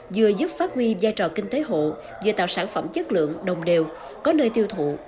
vừa giúp phát huy giai trò kinh tế hộ vừa tạo sản phẩm chất lượng đồng đều có nơi tiêu thụ